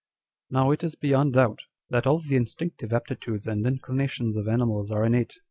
" Now it is beyond doubt, that all the instinctive aptitudes and inclinations of animals are innate.